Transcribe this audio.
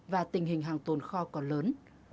và tình hình hàng tồn kho còn lớn